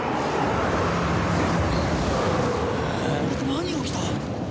何が起きた？